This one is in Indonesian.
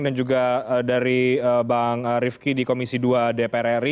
dan juga dari bang rifqi di komisi dua dpr ri